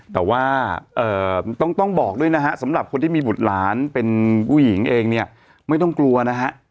แต่ว่าต้องบอกด้วยนะฮะสำหรับคนที่มีบุตรหลานเป็นผู้หญิงเองเนี่ยไม่ต้องกลัวนะฮะ